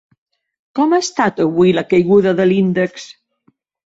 Com ha estat avui la caiguda de l'índex?